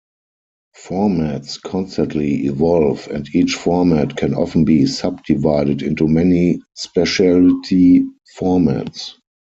Formats constantly evolve and each format can often be sub-divided into many specialty formats.